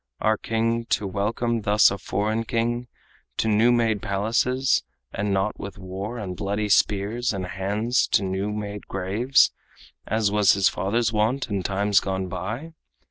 Our king to welcome thus a foreign king To new made palaces, and not with war And bloody spears and hands to new made graves, As was his father's wont in times gone by?"